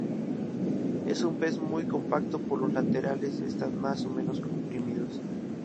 Es un pez muy compacto pero los laterales están más o menos comprimidos.